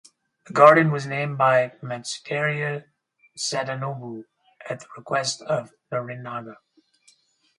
The garden was named by Matsudaira Sadanobu at the request of Narinaga.